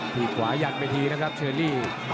พี่ขวายันไปทีนะครับเชอรี่